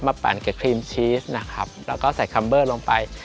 ปั่นกับครีมชีสนะครับแล้วก็ใส่คัมเบอร์ลงไป